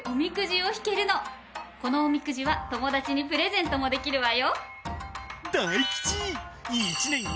このおみくじは友達にプレゼントもできるわよ。